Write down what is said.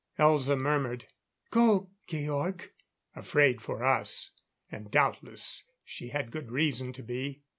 Elza murmured: "Go, Georg." Afraid for us, and doubtless she had good reason to be.